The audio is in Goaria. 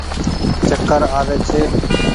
چڪر آوي ڇي ۔